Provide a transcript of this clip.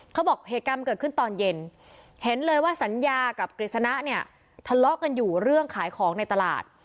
เขาบอกเหตุการณ์เกิดขึ้นตอนเย็นเห็นเลยว่าสัญญากับกฤษณะเนี่ยทะเลาะกันอยู่เรื่องขายของในตลาด